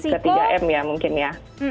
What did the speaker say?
ke tiga m ya mungkin ya